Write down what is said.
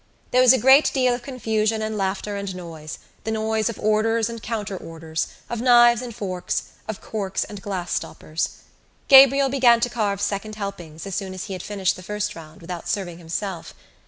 There was a great deal of confusion and laughter and noise, the noise of orders and counter orders, of knives and forks, of corks and glass stoppers. Gabriel began to carve second helpings as soon as he had finished the first round without serving himself.